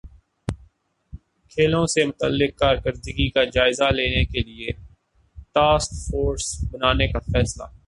کھیلوں سے متعلق کارکردگی کا جائزہ لینے کیلئے ٹاسک فورس بنانے کا فیصلہ